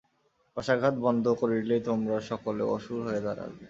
কশাঘাত বন্ধ করিলেই তোমরা সকলে অসুর হইয়া দাঁড়াইবে।